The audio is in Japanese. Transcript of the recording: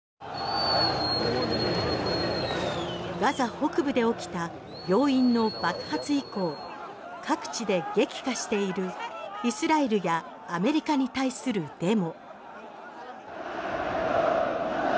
北部で起きた病院の爆発以降各地で激化しているイスラエルやアメリカに対するデモ。